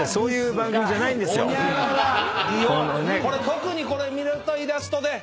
特にこれ見るとイラストでねっ。